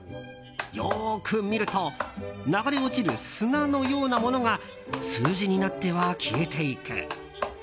よく見ると流れ落ちる砂のようなものが数字になっては消えていく。